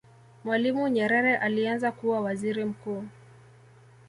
mwalimu nyerere alianza kuwa waziri mkuu